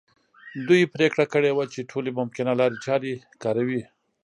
دوی پرېکړه کړې وه چې ټولې ممکنه لارې چارې کاروي.